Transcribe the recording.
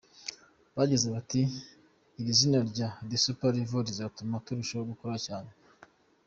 Bagize bati :”iri zina rya The Super Level rizatuma turushaho gukora cyane.